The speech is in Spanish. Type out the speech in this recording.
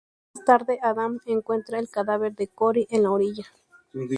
Más tarde, Adam encuentra el cadáver de Cory en la orilla.